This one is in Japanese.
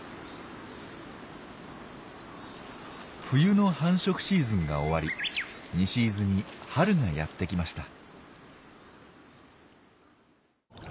冬の繁殖シーズンが終わり西伊豆に春がやってきました。